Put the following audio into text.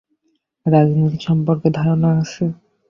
রীতিনীতি সম্পর্কে ধারণা আছে।